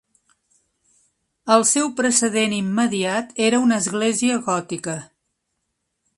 El seu precedent immediat era una església gòtica.